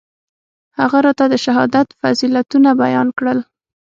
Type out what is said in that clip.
هغه راته د شهادت فضيلتونه بيان کړل.